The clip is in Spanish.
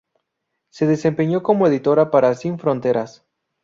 Se desempeñó como editora para Sin Fronteras".